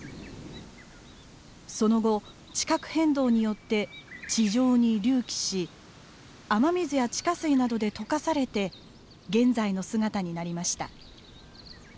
その後地殻変動によって地上に隆起し雨水や地下水などで溶かされて現在の姿になりました。